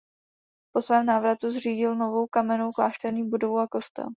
Po svém návratu zřídil novou kamennou klášterní budovu a kostel.